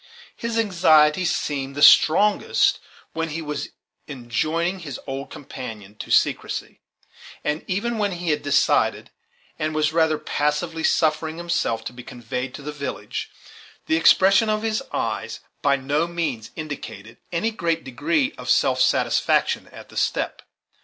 His anxiety seemed the strongest when he was enjoining his old companion to secrecy; and even when he had decided, and was rather passively suffering himself to be conveyed to the village, the expression of his eyes by no means indicated any great degree of self satisfaction at the step.